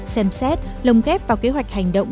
xem xét lồng ghép vào kế hoạch hành động